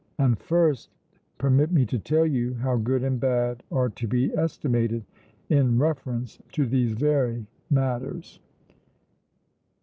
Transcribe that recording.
And first permit me to tell you how good and bad are to be estimated in reference to these very matters.